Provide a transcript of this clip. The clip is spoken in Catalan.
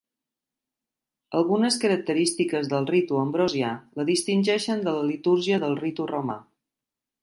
Algunes característiques del ritu Ambrosià la distingeixen de la litúrgia del Ritu romà.